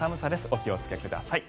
お気をつけください。